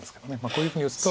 こういうふうに打つと。